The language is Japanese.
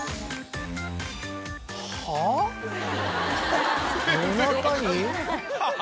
はぁ⁉夜中に？